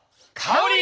香り？